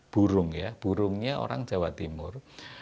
burung ya burungnya orang jawa timur